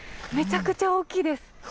めちゃくちゃ大きいです。